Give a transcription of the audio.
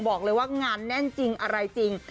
บอกเลยว่างานแน่นจริงอะไรจริง